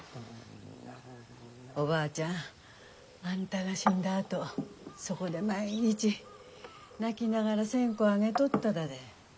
おばあちゃんあんたが死んだあとそこで毎日泣きながら線香あげとっただで。